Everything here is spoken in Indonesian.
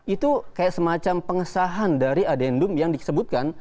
itu kayak semacam pengesahan dari adendum yang disebutkan